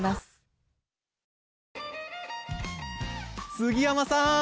杉山さん！